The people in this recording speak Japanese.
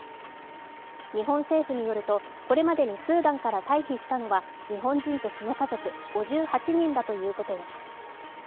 日本政府によるとこれまでにスーダンから退避したのは日本人とその家族５８人だということです。